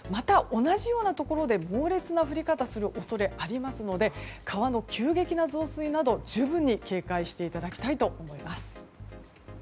同じようなところで猛烈な降り方をする恐れがありますので川の急激な増水などに十分警戒していただきたいと思います。